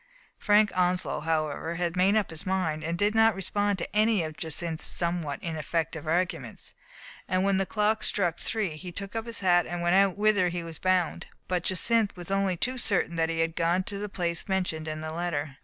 Frank Onslow, however, had made up his mind, and did not respond to any of Jacynth's somewhat ineffective arguments. And when the clock struck three, he took up his hat and went out without saying whither he was bound. But Jacynth was only too certain that he had gone to the place mentioned in the letter.